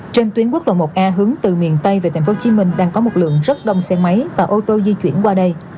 trên tuyến quốc lộ một a hướng từ miền tây về tp hcm đang có một lượng rất đông xe máy và ô tô di chuyển qua đây